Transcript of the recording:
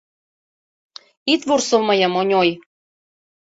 Ит вурсо мыйым, Оньой.